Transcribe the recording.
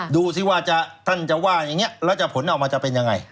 ดูสิว่าท่านจะว่าอย่างนี้แล้วผลออกมาจะเป็นยังไง